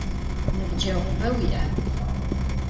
Nıbceğube vui'a?